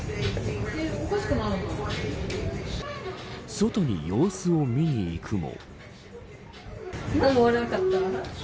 外に様子を見に行くも。